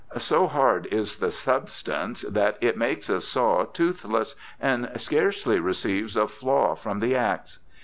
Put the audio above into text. So hard is the substance that it makes a saw toothless and scarcely receives a flaw from the axe.